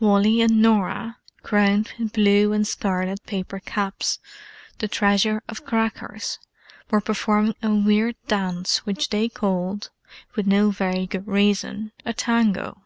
Wally and Norah, crowned with blue and scarlet paper caps, the treasure of crackers, were performing a weird dance which they called, with no very good reason, a tango.